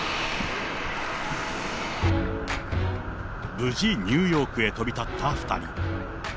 無事ニューヨークに飛び立った２人。